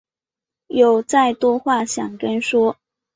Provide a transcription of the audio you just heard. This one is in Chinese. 有再多话想跟说